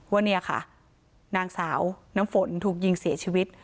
ว่าเนี่ยค่ะนางสาวน้ำฝนถูกยิงเสียชีวิต